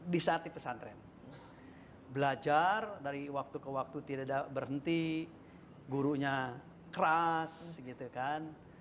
di saat di pesantren belajar dari waktu ke waktu tidak berhenti gurunya keras gitu kan